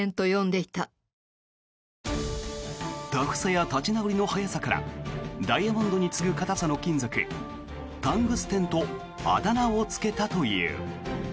タフさや立ち直りの早さからダイヤモンドに次ぐ硬さの金属タングステンとあだ名をつけたという。